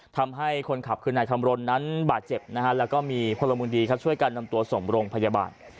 ทำให้คนขับคืนนายคำรณนั้นบาดเจ็บและมีพลมุนดีช่วยการนำตัวส่งโรงพยาบาล